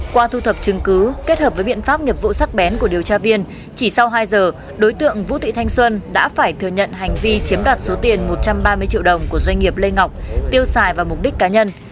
qua thu thập chứng cứ kết hợp với biện pháp nghiệp vụ sắc bén của điều tra viên chỉ sau hai giờ đối tượng vũ thị thanh xuân đã phải thừa nhận hành vi chiếm đoạt số tiền một trăm ba mươi triệu đồng của doanh nghiệp lê ngọc tiêu xài vào mục đích cá nhân